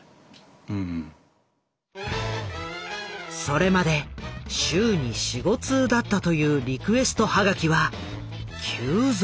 それまで週に４５通だったというリクエストハガキは急増。